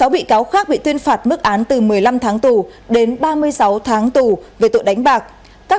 sáu bị cáo khác bị tuyên phạt mức án từ một mươi năm tháng tù đến ba mươi sáu tháng tù về tội đánh bạc